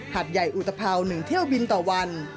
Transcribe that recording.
หัดใหญ่อุตภาว๑เที่ยวบินต่อวัน